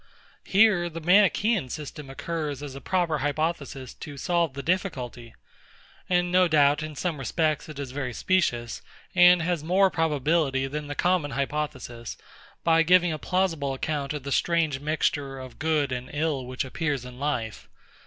Here the MANICHAEAN system occurs as a proper hypothesis to solve the difficulty: and no doubt, in some respects, it is very specious, and has more probability than the common hypothesis, by giving a plausible account of the strange mixture of good and ill which appears in life.